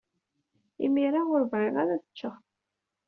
Imir-a, ur bɣiɣ ara ad ččeɣ.